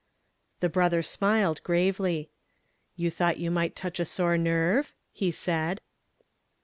Tlie brother smiled gravely. " You thought you miglit touch a sore nerve ?" he said.